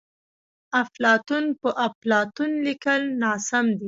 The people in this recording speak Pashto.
افلاطون په اپلاتون لیکل ناسم ندي.